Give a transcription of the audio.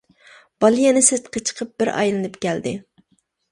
-بالا يەنە سىرتقا چىقىپ بىر ئايلىنىپ كەلدى.